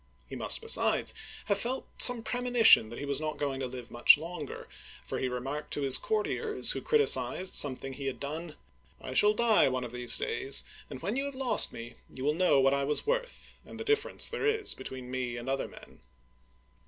He must, besides, have felt some premonition that he was not to live much longer, for he remarked to his courtiers, who criticized something he had done :" I shall die one of these days, and when you have lost me, you will know what I Digitized by Google HENRY IV. (1589 1610) 297 was worth, and the difference there is between me and other men